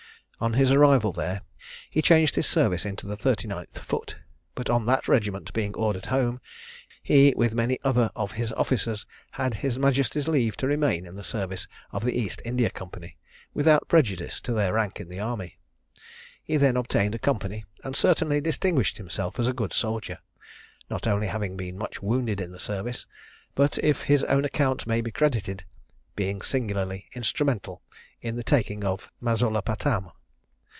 On his arrival there he changed his service into the 39th foot; but on that regiment being ordered home, he, with many other of his officers, had his majesty's leave to remain in the service of the East India Company, without prejudice to their rank in the army. He then obtained a company, and certainly distinguished himself as a good soldier, not only having been much wounded in the service, but, if his own account may be credited, being singularly instrumental to the taking of Mazulapatam.